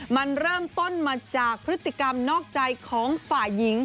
มันเริ่มต้นมาจากพฤติกรรมนอกใจของฝ่ายหญิง